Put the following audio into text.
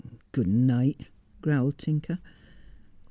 ' Good night,' growled Tinker.